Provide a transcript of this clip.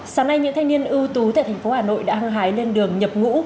sáng nay những thanh niên ưu tú tại thành phố hà nội đã hăng hái lên đường nhập ngũ